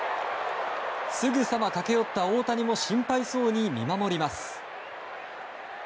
すぐさま駆け寄った大谷も心配そうに見守ります。